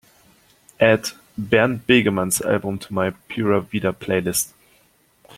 add bernd begemann's album to my pura vida playlist